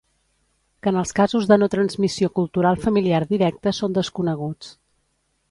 que en els casos de no transmissió cultural familiar directa són desconeguts